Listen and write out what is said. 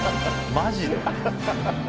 マジで？